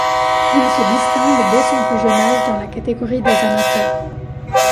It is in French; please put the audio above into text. Il se distingue dès son plus jeune âge dans la catégorie des amateurs.